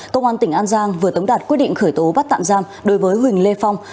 công an tỉnh an giang vừa tống đạt quyết định khởi tố bắt tạm giam đối với huỳnh lê phong